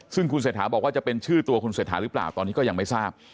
ซึ่งคุณเศรษฐาบอกว่าจะเป็นชื่อตัวคุณเศรษฐาหรือเปล่าตอนนี้ก็ยังไม่ทราบ